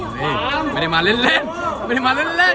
พี่อดมา